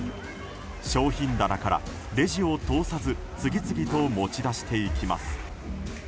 商品棚からレジを通さず次々と持ち出していきます。